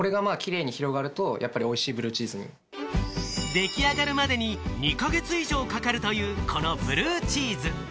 出来上がるまでに２か月以上かかるという、このブルーチーズ。